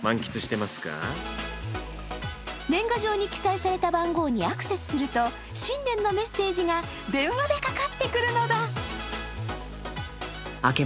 年賀状に記載された番号にアクセスすると、新年のメッセージが電話でかかってくるのだ。